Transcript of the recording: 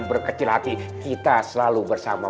berkecil hati kita selalu bersama